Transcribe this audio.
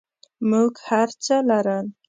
موږ هرڅه لرل.